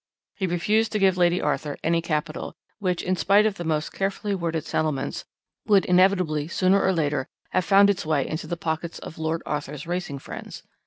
He refused to give Lady Arthur any capital, which, in spite of the most carefully worded settlements, would inevitably, sooner or later, have found its way into the pockets of Lord Arthur's racing friends.